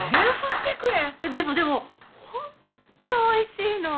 でもでもホンットおいしいの。